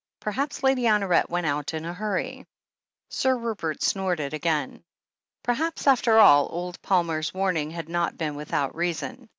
Perhaps Lady Honoret went out in a hurry." Sir Rupert snorted again. Perhaps, after all, old Mr. Palmer's warnings had not been without reason.